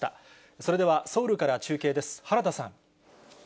それでは、ソウルから中継です。